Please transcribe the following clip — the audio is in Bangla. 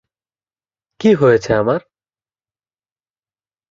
কী হয়েছে আমার?